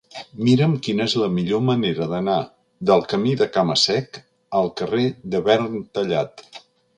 Mira'm quina és la millor manera d'anar del camí del Cama-sec al carrer de Verntallat.